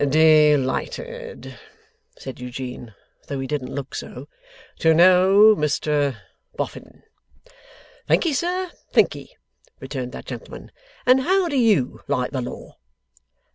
'Delighted,' said Eugene though he didn't look so 'to know Mr Boffin.' 'Thankee, sir, thankee,' returned that gentleman. 'And how do YOU like the law?